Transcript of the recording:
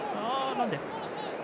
何で？